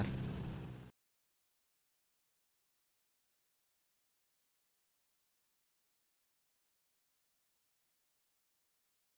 berita terkini mengenai cuaca ekstrem dua ribu dua puluh satu di jepang